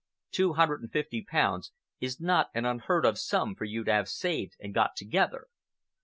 Two hundred and fifty pounds is not an unheard of sum for you to have saved or got together.